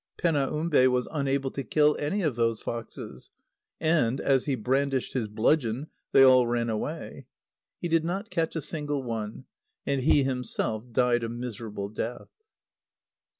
Penaumbe was unable to kill any of those foxes; and, as he brandished his bludgeon, they all ran away. He did not catch a single one, and he himself died a miserable death.